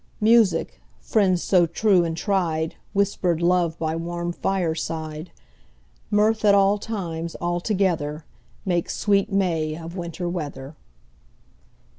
Music, friends so true and tried, Whisper'd love by warm fireside, Mirth at all times all together, Make sweet May of Winter weather.